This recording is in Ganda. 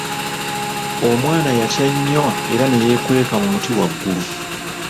Omwana yatya nnyo era ne yeekweka mu muti waggulu.